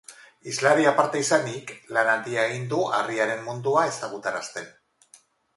Hizlari aparta izanik, lan handia egin du harriaren mundua ezagutarazten.